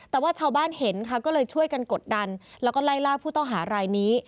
แต่ว่าชาวบ้านเห็นค่ะก็เลยช่วยกันกดดันแล้วก็ไล่ล่าผู้ต้องหารายนี้